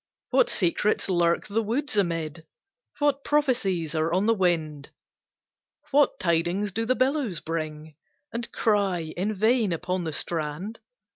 What secrets lurk the woods amid? What prophecies are on the wind? What tidings do the billows bring And cry in vain upon the strand?